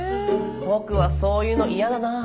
僕はそういうの嫌だなあ。